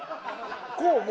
こうも。